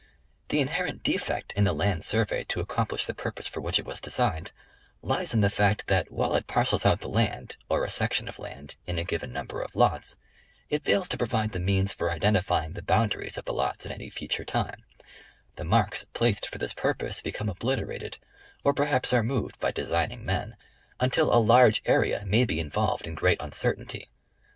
The inherent defect in the land survey to ac complish the purpose for which it was designed, lies in the fact, that while it parcels out the land, or a section of land, in a given number of lots, it fails to provide the means for identifying the boundaries of the lots at any future time; the marks placed for this purpose become obliterated or perhaps are moved by design ing men, until a large area may be involved in great uncertainty.